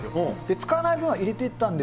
使わない分は入れてったんです。